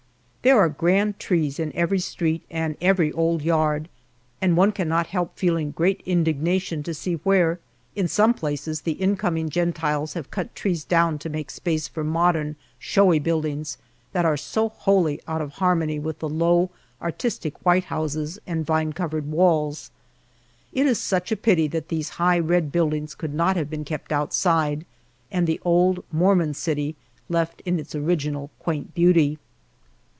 There are grand trees in every street, and every old yard, and one cannot help feeling great indignation to see where in some places the incoming gentiles have cut trees down to make space for modern showy buildings, that are so wholly out of harmony with the low, artistic white houses and vine covered walls. It is such a pity that these high, red buildings could not have been kept outside, and the old mormon city left in its original quaint beauty.